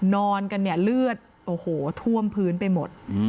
นอนกันเนี่ยเลือดโอ้โหท่วมพื้นไปหมด